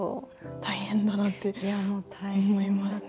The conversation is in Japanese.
大変だなって思いますね。